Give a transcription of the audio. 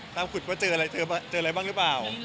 ตามขุดว่าเจออะไรบ้างหรือเปล่า